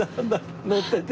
乗ってて？